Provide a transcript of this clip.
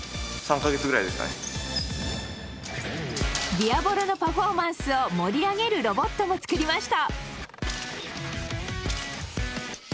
ディアボロのパフォーマンスを盛り上げるロボットも作りました。